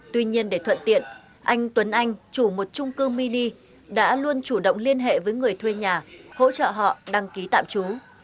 tuy nhiên để thuận tiện anh tuấn anh chủ một trung cư mini đã luôn chủ động liên hệ với người thuê nhà hỗ trợ họ đăng ký tạm trú